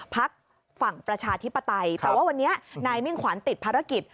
พักฝั่งประชาธิปไตยแต่ว่าวันนี้นายมิ่งขวัญติดภารกิจ